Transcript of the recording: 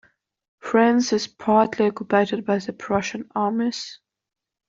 France is partly occupied by the Prussian armies.